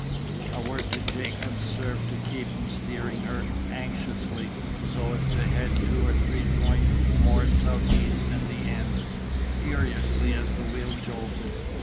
"A word to Jacobs served to keep him steering her anxiously, so as to head two or three points more southeast in the end, furiously as the wheel jolted.